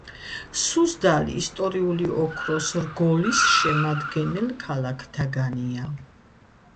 სუზდალი ისტორიული ოქროს რგოლის შემადგენელ ქალაქთაგანია.